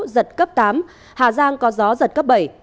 giật cấp tám hà giang có gió giật cấp bảy